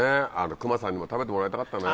隈さんにも食べてもらいたかったね。